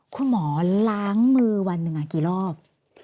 คุณหมอล้างมือวันหนึ่งกี่รอบ